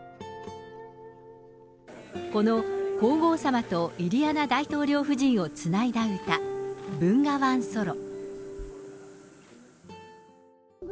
この皇后さまとイリアナ大統領夫人をつないだ歌、ブンガワンソロ。